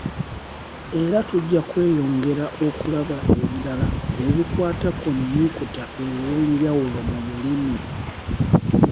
Era tujja kweyongera okulaba ebirala ebikwata ku nnyukuta ez'enjawulo mu lulimi.